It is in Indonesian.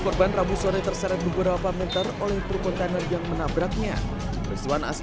korban rabu sore terseret beberapa meter oleh truk kontainer yang menabraknya peristiwa naas